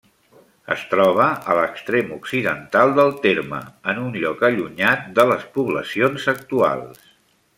Es troba a l'extrem occidental del terme, en un lloc allunyat de les poblacions actuals.